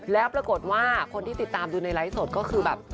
แล้วปรากฏว่าคนที่ติดตามดูในไลฟ์สดก็คือแบบ